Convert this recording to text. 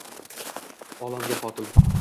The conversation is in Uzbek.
Olamga qotil